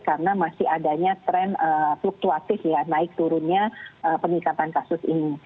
karena masih adanya tren fluktuatif ya naik turunnya peningkatan kasus ini